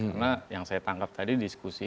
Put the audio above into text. karena yang saya tangkap tadi diskusi